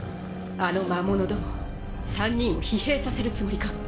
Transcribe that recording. あの魔物ども３人を疲弊させるつもりか？